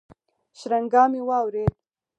شرنگا مې واورېد.